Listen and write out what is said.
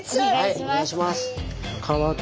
お願いします！